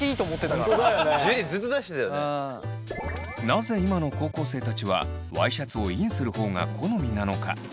なぜ今の高校生たちはワイシャツをインする方が好みなのか。